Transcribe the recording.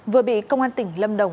vừa bị công an tỉnh lâm đồng